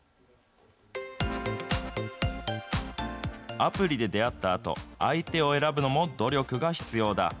アプリで出会ったあと、相手を選ぶのも努力が必要だ。